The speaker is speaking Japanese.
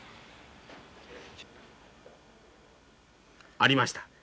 ありました。